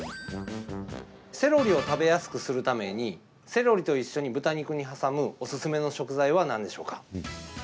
セロリを食べやすくするためにセロリと一緒に豚肉に挟むおすすめの食材は何でしょうか？